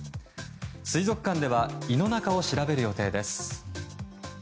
水族館では胃の中を調べる予定です。